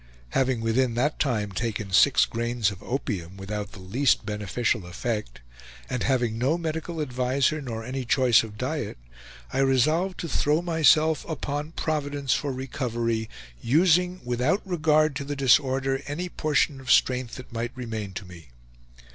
Having within that time taken six grains of opium, without the least beneficial effect, and having no medical adviser, nor any choice of diet, I resolved to throw myself upon Providence for recovery, using, without regard to the disorder, any portion of strength that might remain to me.